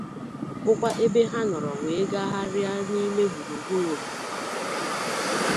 bụkwa ebe ha nọrọ wee gagharịa n'ime gburugburu ogige ahụ